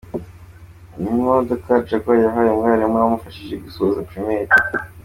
Iyi niyo modoka Jaguar yahaye umwalimu wamufashije gusoza Primaire.